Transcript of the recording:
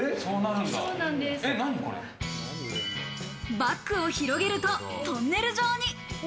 バッグを広げるとトンネル状に。